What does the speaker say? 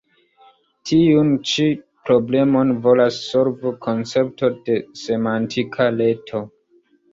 Tiun ĉi problemon volas solvi koncepto de Semantika Reto.